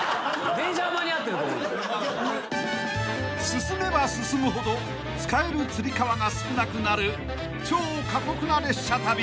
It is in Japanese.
［進めば進むほど使えるつり革が少なくなる超過酷な列車旅］